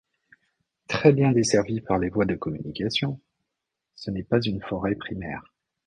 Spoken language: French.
Très bien desservi par les voies de communications, ce n'est pas une forêt primaire.